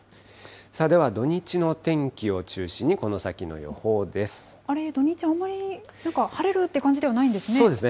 さあでは、土日の天気を中心に、あれ、土日、あんまり、なんか晴れるって感じではないんですね。